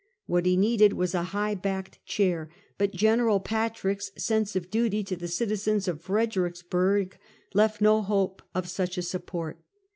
What he needed was a high backed chair, but General Patrick's sense of duty to the citizens of Fredericksburg left no hope of such a support.